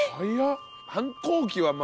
反抗期はまだ？